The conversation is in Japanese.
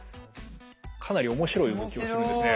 かなり面白い動きをするんですね。